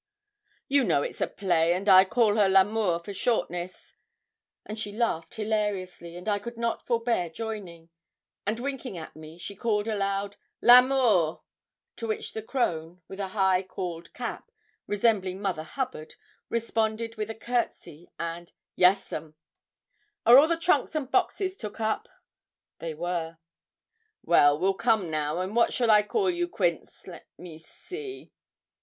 'You know it's a play, and I call her L'Amour for shortness;' and she laughed hilariously, and I could not forbear joining; and, winking at me, she called aloud, 'L'Amour.' To which the crone, with a high cauled cap, resembling Mother Hubbard, responded with a courtesy and 'Yes, 'm.' 'Are all the trunks and boxes took up?' They were. 'Well, we'll come now; and what shall I call you, Quince? Let me see.'